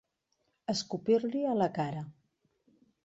Escopir-li a la cara.